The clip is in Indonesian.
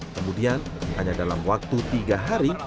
kemudian hanya dalam waktu tiga hari